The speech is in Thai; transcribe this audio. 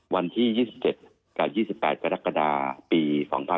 วันที่๒๗กับ๒๘กรกฎาปี๒๕๖๒